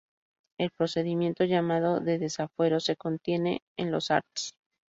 El procedimiento, llamado de "desafuero", se contiene en los arts.